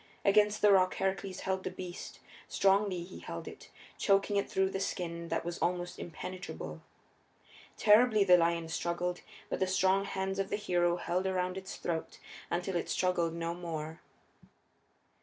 Against the rock Heracles held the beast; strongly he held it, choking it through the skin that was almost impenetrable. Terribly the lion struggled; but the strong hands of the hero held around its throat until it struggled no more.